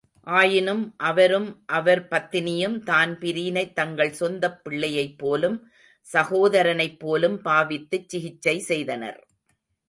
ஆயினும், அவரும் அவர் பத்தினியும் தான்பிரீனைத் தங்கள் சொந்தப்பிள்ளையைப் போலும், சகோதரனைப்போலும் பாவித்துச்சிகிச்சை செய்தனர்.